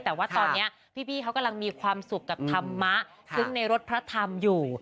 แต่ว่าตอนนี้พี่เขากำลังมีความสุขกับธรรมะซึ่งในรถพระธรรมอยู่